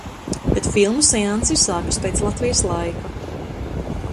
Kad filmu seansi sākas pēc Latvijas laika.